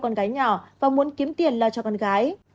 tô hiếu đã gọi tiền cho con gái nhỏ và muốn kiếm tiền lo cho con gái